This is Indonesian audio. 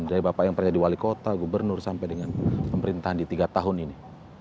dari bapak yang pernah jadi wali kota gubernur sampai dengan pemerintahan di tiga tahun ini